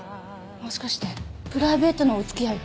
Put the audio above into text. もしかしてプライベートなお付き合いが。